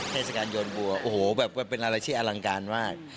เทศกาลโยนบัวโอ้โหแบบว่าเป็นอะไรที่อลังการมาก